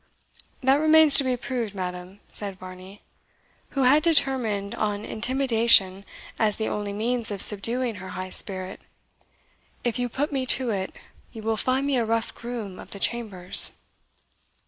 "That remains to be proved, madam," said Varney, who had determined on intimidation as the only means of subduing her high spirit; "if you put me to it, you will find me a rough groom of the chambers."